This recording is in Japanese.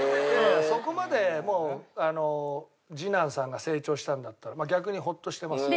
そこまでもう次男さんが成長したんだったら逆にホッとしてますよ。